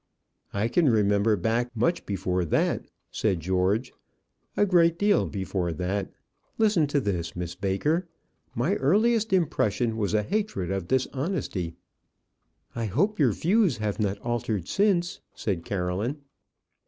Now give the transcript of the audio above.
"I can remember back much before that," said George; "a great deal before that. Listen to this, Miss Baker. My earliest impression was a hatred of dishonesty." "I hope your views have not altered since," said Caroline.